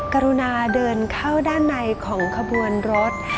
กรุณาเดินเข้าด้านในของขบวนรถ